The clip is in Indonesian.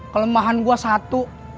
kelemahan gue satu